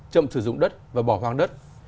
chậm sử dụng đất và bỏ hoang đất